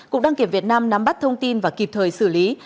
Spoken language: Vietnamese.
cục đăng kiểm việt nam nắm bắt thông tin và kịp thời xử lý